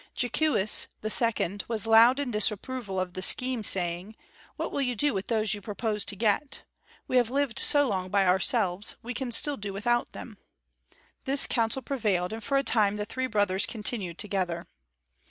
Jeekewis, the second, was loud in disapproval of the scheme, saying: "What will you do with those you propose to get? We have lived so long by ourselves, we can still do without them." This counsel prevailed, and for a time the three brothers continued together.